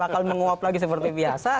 akan menguap lagi seperti biasa